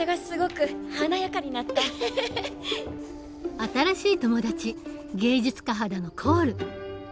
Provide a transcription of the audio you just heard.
新しい友達芸術家肌のコール。